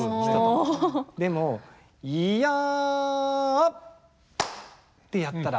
でも「イヤ」。ってやったら。